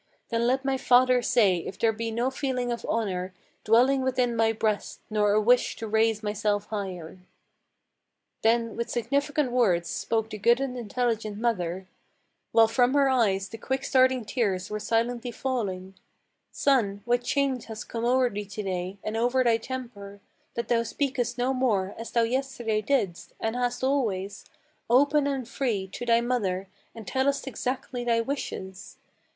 Then let my father say if there be no feeling of honor Dwelling within my breast, nor a wish to raise myself higher." Then with significant words spoke the good and intelligent mother, While from her eyes the quick starting tears were silently falling: "Son, what change has come o'er thee to day, and over thy temper, That thou speakest no more, as thou yesterday didst, and hast always, Open and free, to thy mother, and tellest exactly thy wishes?